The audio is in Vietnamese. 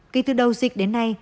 khi từ đầu dịch đến nay